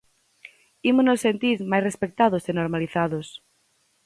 Ímonos sentir máis respectados e normalizados.